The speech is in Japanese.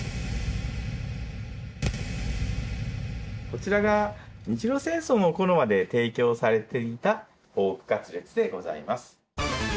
こちらが日露戦争の頃まで提供されていたポークカツレツでございます。